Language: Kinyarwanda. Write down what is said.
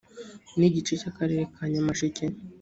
n igice cy akarere ka nyamasheke